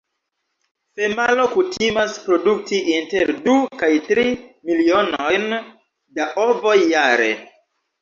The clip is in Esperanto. Femalo kutimas produkti inter du kaj tri milionojn da ovoj jare.